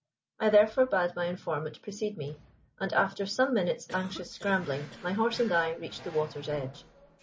I therefore bade my informant precede me, and after some minutes' anxious scrambling my horse and I reached the water's edge.